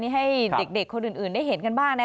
ให้เด็กคนอื่นได้เห็นกันบ้างนะ